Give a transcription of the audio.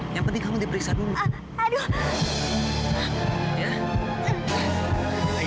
yaudah kalau begitu saya pamit dulu tante